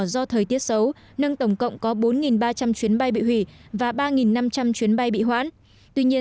do thời tiết xấu nâng tổng cộng có bốn ba trăm linh chuyến bay bị hủy và ba năm trăm linh chuyến bay bị hoãn tuy nhiên